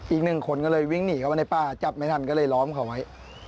อีกหนึ่งคนก็เลยวิ่งหนีเข้าไปในป่าจับไม่ทันก็เลยล้อมเขาไว้